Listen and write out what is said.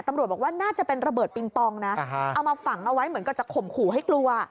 ตำรวจบอกว่าน่าจะเป็นระเบิดปิงปองนะเอามาฝังเอาไว้เหมือนกับจะข่มขู่ให้กลัว